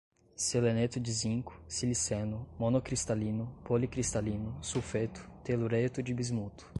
seleneto de zinco, siliceno, monocristalino, policristalino, sulfeto, telureto de bismuto